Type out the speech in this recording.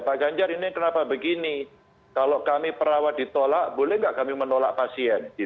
pak ganjar ini kenapa begini kalau kami perawat ditolak boleh nggak kami menolak pasien